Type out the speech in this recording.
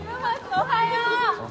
おはよう。